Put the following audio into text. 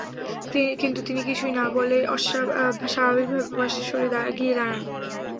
কিন্তু তিনি কিছুই না বলে স্বাভাবিকভাবে পাশে সরে গিয়ে দাঁড়ান।